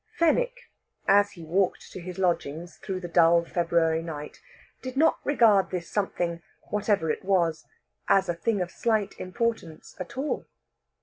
Fenwick, as he walked to his lodgings through the dull February night, did not regard this something, whatever it was, as a thing of slight importance at all.